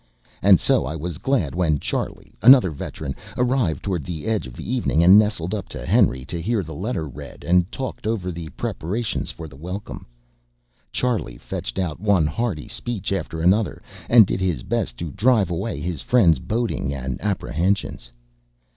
And so I was glad when Charley, another veteran, arrived toward the edge of the evening, and nestled up to Henry to hear the letter read, and talked over the preparations for the welcome. Charley fetched out one hearty speech after another, and did his best to drive away his friend's bodings and apprehensions.